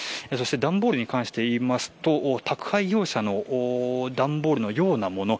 段ボールに関していいますと宅配業者の段ボールのようなもの。